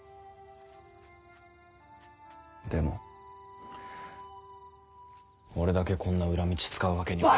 でも俺だけこんな裏道使うわけには。